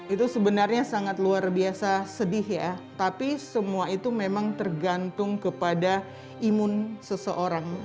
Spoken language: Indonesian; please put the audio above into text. itu sebenarnya sangat luar biasa sedih ya tapi semua itu memang tergantung kepada imun seseorang